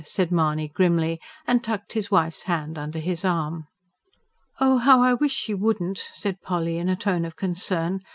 said Mahony grimly, and tucked his wife's hand under his arm. "Oh, how I wish she wouldn't!" said Polly in a tone of concern.